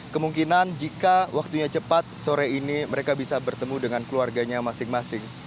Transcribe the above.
kemungkinan jika waktunya cepat sore ini mereka bisa bertemu dengan keluarganya masing masing